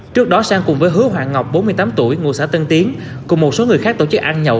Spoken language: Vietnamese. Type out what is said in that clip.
trước đó sang cùng với hứa hoàng ngọc bốn mươi tám tuổi ngụ xã tân tiến cùng một số người khác tổ chức ăn nhậu